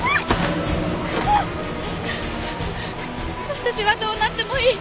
私はどうなってもいい。